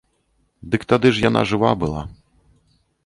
Дык тады ж яна жыва была.